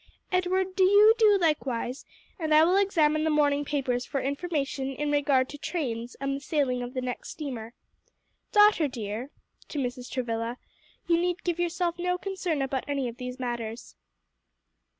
"Edward, do you do likewise, and I will examine the morning papers for information in regard to trains and the sailing of the next steamer. Daughter dear," to Mrs. Travilla, "you need give yourself no concern about any of these matters."